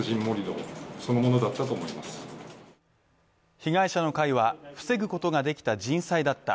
被害者の会は、防ぐことができた人災だった